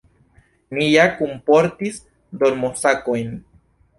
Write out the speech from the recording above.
Ni ja kunportis dormosakojn.